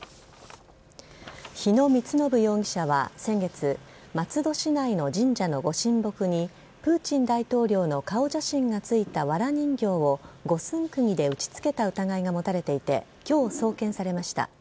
日野充信容疑者は先月松戸市内の神社のご神木にプーチン大統領の顔写真がついたわら人形を五寸釘で打ち付けた疑いが持たれていて今日、送検されました。